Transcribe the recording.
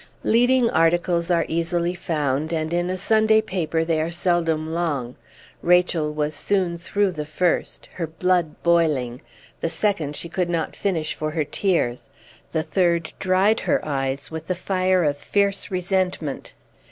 Leading articles are easily found, and in a Sunday paper they are seldom long. Rachel was soon through the first, her blood boiling; the second she could not finish for her tears; the third dried her eyes with the fires of fierce resentment.